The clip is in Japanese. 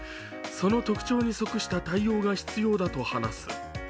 その特徴に即した対応が必要だと話す。